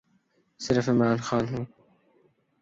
صرف عمران خان ہوں۔